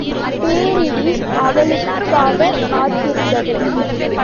பேரிடி அவளுக்காகக் காத்திருந்தது.